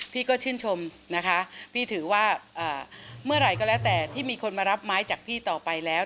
พี่ก็ชื่นชมนะคะพี่ถือว่าเมื่อไหร่ก็แล้วแต่ที่มีคนมารับไม้จากพี่ต่อไปแล้ว